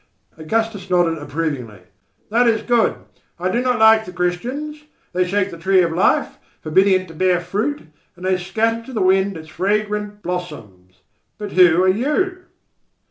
Augustus nodded approvingly. "That is good. I do not like the Christians. They shake the tree of life, forbidding it to bear fruit, and they scatter to the wind its fragrant blossoms. But who are you?"